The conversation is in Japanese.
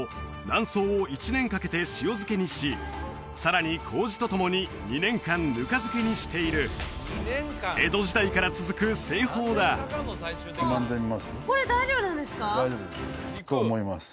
卵巣を１年かけて塩漬けにしさらに麹とともに２年間ぬか漬けにしている江戸時代から続く製法だ「と思います」！？